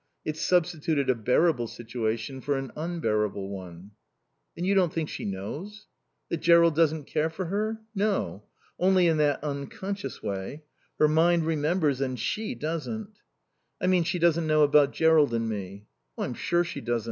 It's substituted a bearable situation for an unbearable one." "Then, you don't think she knows?" "That Jerrold doesn't care for her? No. Only in that unconscious way. Her mind remembers and she doesn't." "I mean, she doesn't know about Jerrold and me?" "I'm sure she doesn't.